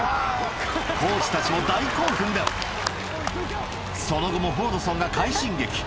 コーチたちも大興奮だその後もフォードソンが快進撃